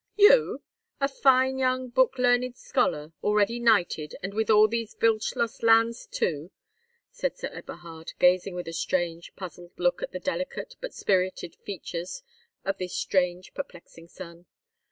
"You! A fine young book learned scholar, already knighted, and with all these Wildschloss lands too!" said Sir Eberhard, gazing with a strange puzzled look at the delicate but spirited features of this strange perplexing son.